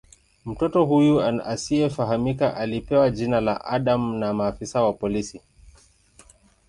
Mtoto huyu asiyefahamika alipewa jina la "Adam" na maafisa wa polisi.